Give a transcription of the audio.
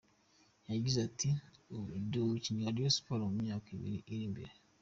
Yagize ati” Ubu ndi umukinnyi wa Rayon Sport mu myaka ibiri iri imbere.